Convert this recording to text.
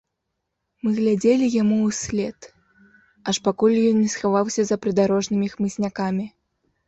Мы глядзелі яму ўслед, аж пакуль ён не схаваўся за прыдарожнымі хмызнякамі.